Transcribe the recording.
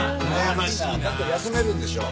だって休めるんでしょ？